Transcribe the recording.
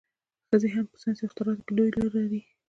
ښځې هم په ساینس او اختراعاتو کې لوی رول لري.